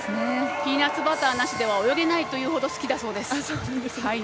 ピーナッツバターなしでは泳げないというほど好きだそうです。